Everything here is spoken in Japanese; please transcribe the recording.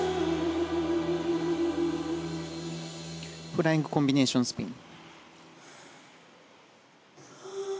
フライングコンビネーションスピン。